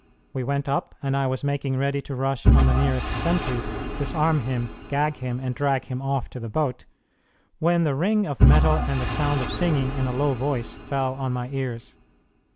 We went up, and I was making ready to rush on the nearest sentry, disarm him, gag him, and drag him off to the boat, when the ring of metal and the sound of singing in a low voice fell on my ears.